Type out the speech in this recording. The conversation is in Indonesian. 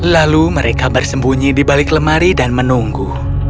lalu mereka bersembunyi di balik lemari dan menunggu